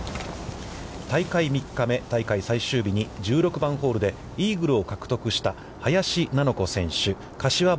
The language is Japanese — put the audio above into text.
大会最終日に１６番ホールでイーグルを獲得した林菜乃子選手柏原